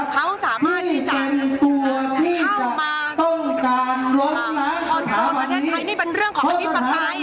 เขาสามารถที่จะเข้ามาทอนทอนประเทศไทยนี่เป็นเรื่องของธิปไตย